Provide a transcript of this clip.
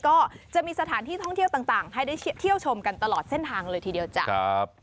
ก็จะมีสถานที่ท่องเที่ยวต่างให้ได้เที่ยวชมกันตลอดเส้นทางเลยทีเดียวจ้ะ